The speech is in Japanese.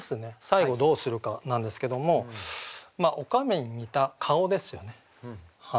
最後どうするかなんですけどもおかめに似た「顔」ですよね。